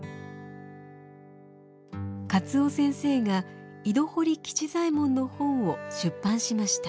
勝尾先生が井戸掘吉左衛門の本を出版しました。